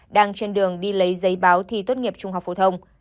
đang trên đường đi lấy giấy báo thi tốt nghiệp trung học phổ thông